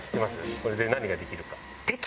これで何ができるか。